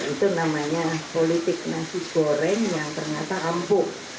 itu namanya politik nasi goreng yang ternyata empuk